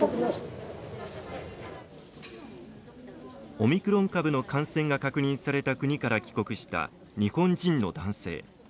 オミクロン株の感染が確認された国から帰国した日本人の男性。